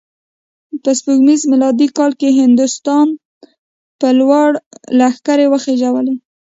په سپوږمیز میلادي کال یې هندوستان په لور لښکرې وخوزولې.